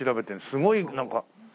すごいなんか。